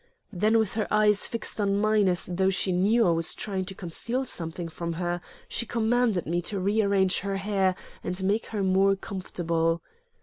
Then with her eyes fixed on mine as though she knew I was trying to conceal something from her, she commanded me to rearrange her hair and make her more comfortable.